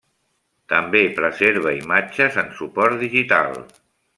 També preserva imatges en suport digital.